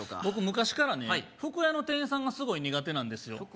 僕昔からね服屋の店員さんがすごい苦手なんですよ